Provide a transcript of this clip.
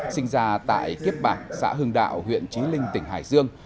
sinh ra tại kiếp bạc xã hưng đạo huyện trí linh tỉnh hải dương